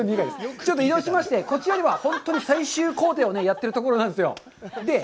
ちょっと移動しまして、こちらには本当に最終工程をやっているところなんですよ。